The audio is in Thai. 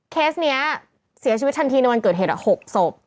เคสนี้เสียชีวิตทันทีในวันเกิดเหตุ๖ศพ